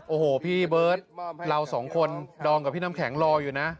โอ้โหพี่เบิร์ตเราสองคนดอมกับพี่น้ำแข็งรออยู่นะ